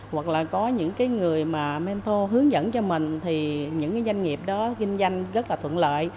hoặc là có những người mà mento hướng dẫn cho mình thì những doanh nghiệp đó kinh doanh rất là thuận lợi